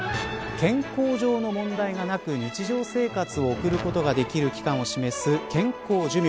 健康上の問題がなく日常生活を送ることができる期間を示す健康寿命。